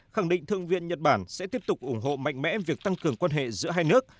khẳng định thương viên nhật bản sẽ tiếp tục ủng hộ mạnh mẽ việc tăng cường quan hệ giữa hai nước